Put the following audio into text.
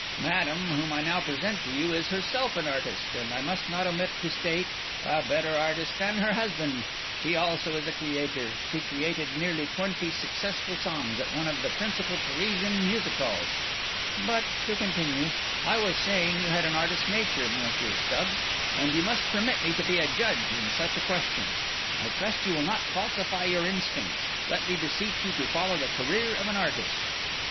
Madame, whom I now present to you, is herself an artist, and I must not omit to state, a better artist than her husband. She also is a creator; she created nearly twenty successful songs at one of the principal Parisian music halls. But, to continue, I was saying you had an artist's nature, Monsieur Stubbs, and you must permit me to be a judge in such a question. I trust you will not falsify your instincts; let me beseech you to follow the career of an artist."